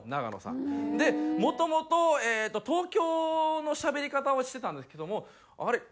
もともと東京のしゃべり方をしてたんですけども「あれ？